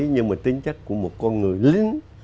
nhưng mà tính chất của một con người lính